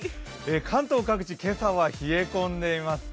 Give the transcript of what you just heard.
関東各地今朝は冷え込んでいます。